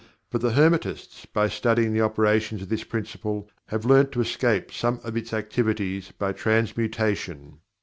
But the Hermetists by studying the operations of this Principle have learned to escape some of its activities by Transmutation.